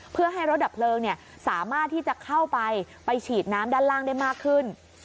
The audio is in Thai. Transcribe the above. เพื่อให้รถดับเพลิงสามารถที่จะเข้าไปไปฉีดน้ำด้านล่างได้มากขึ้น